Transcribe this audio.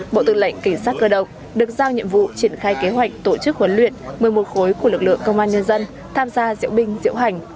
bộ tư lệnh cảnh sát cơ động được giao nhiệm vụ triển khai kế hoạch tổ chức huấn luyện một mươi một khối của lực lượng công an nhân dân tham gia diễu binh diễu hành